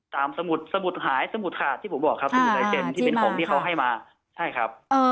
ตามสมุดหายสมุดขาดที่ผมบอกครับสมุดไล่เจนที่เป็นของที่เขาให้มา